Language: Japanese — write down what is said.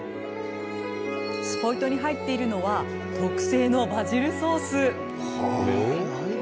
スポイトに入っているのは特製のバジルソース。